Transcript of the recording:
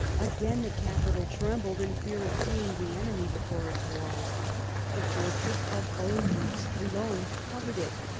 Again the capital trembled in fear of seeing the enemy before its walls ; the fortress of Olmutz alone covered it.